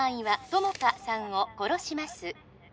友果さんを殺します